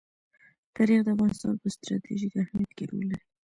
تاریخ د افغانستان په ستراتیژیک اهمیت کې رول لري.